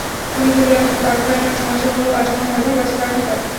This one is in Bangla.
তিনি কেবল একজন তারকাই নন, সমাজসেবামূলক কার্যক্রমের মনোভাব আছে তাঁর ভেতর।